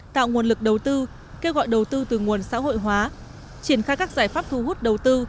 tạo nguồn lực đầu tư kêu gọi đầu tư từ nguồn xã hội hóa triển khai các giải pháp thu hút đầu tư